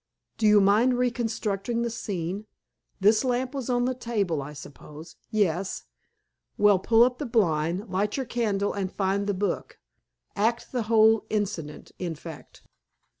"Do you mind reconstructing the scene. This lamp was on the table, I suppose?" "Yes." "Well, pull up the blind, light your candle, and find the book. Act the whole incident, in fact."